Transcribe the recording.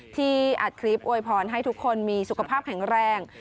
อัดคลิปอวยพรให้ทุกคนมีสุขภาพแข็งแรง